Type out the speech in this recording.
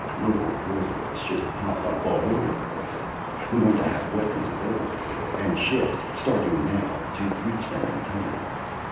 Local war lords should pop up all over the place. We want to have weapons available for them and ships starting now to reach them in time.